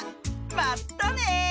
まったね！